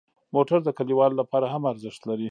موټر د کلیوالو لپاره هم ارزښت لري.